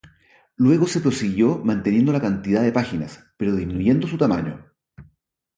Luego se prosiguió manteniendo la cantidad de páginas, pero disminuyendo su tamaño.